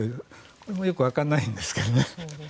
これもよくわからないんですけどね。